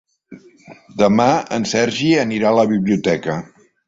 Demà en Sergi anirà a la biblioteca.